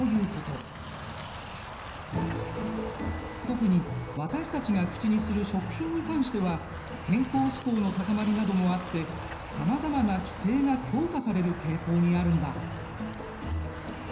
特に私たちが口にする食品に関しては健康志向の高まりなどもあってさまざまな規制が強化される傾向にあるんだ。